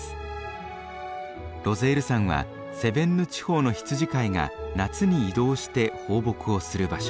ロゼール山はセヴェンヌ地方の羊飼いが夏に移動して放牧をする場所。